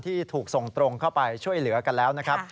ที่ถูกส่งตรงเข้าไปช่วยเหลือกันแล้วนะครับ